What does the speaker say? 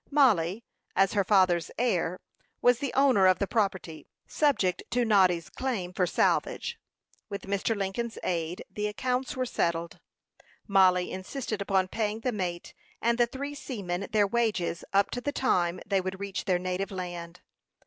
Mollie, as her father's heir, was the owner of the property, subject to Noddy's claim for salvage. With Mr. Lincoln's aid the accounts were settled. Mollie insisted upon paying the mate and the three seamen their wages up to the time they would reach their native land.